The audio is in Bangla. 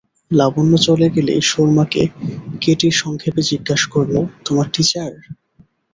লাবণ্য চলে গেলেই সুরমাকে কেটি সংক্ষেপে জিজ্ঞাসা করলে, তোমার টীচার?